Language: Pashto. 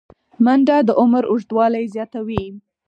منډه د عمر اوږدوالی زیاتوي